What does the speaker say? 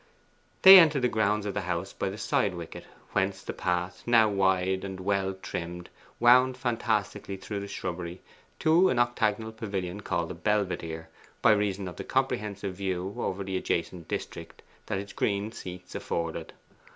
They entered the grounds of the house by the side wicket, whence the path, now wide and well trimmed, wound fantastically through the shrubbery to an octagonal pavilion called the Belvedere, by reason of the comprehensive view over the adjacent district that its green seats afforded.